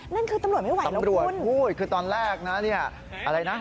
นั่นคือตำรวจไม่ไหวตำรวจพูดคือตอนแรกนะเนี่ยอะไรนะ